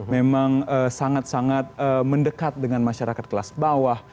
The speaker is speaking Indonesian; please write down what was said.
memang sangat sangat mendekat dengan masyarakat kelas bawah